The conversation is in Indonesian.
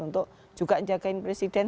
untuk juga jagain presiden